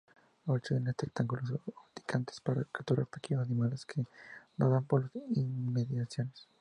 Utilizan los tentáculos urticantes para capturar pequeños animales que nadan por las inmediaciones.